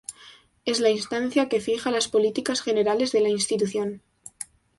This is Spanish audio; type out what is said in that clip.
Es la instancia que fija las políticas generales de la institución.